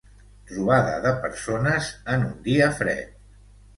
Trobada de persones en un dia fred.